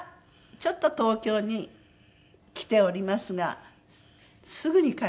ちょっと東京に来ておりますがすぐに帰ります。